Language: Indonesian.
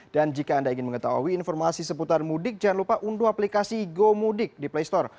dan jika anda ingin mengetahui informasi seputar mudik jangan lupa unduh aplikasi gomudik di playstore